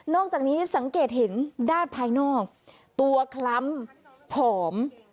อกจากนี้สังเกตเห็นด้านภายนอกตัวคล้ำผอม